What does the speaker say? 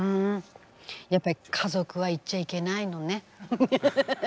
やっぱり家族は言っちゃいけないのね。